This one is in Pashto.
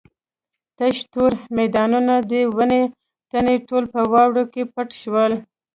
تش تور میدانونه د ونو تنې ټول په واورو کې پټ شول.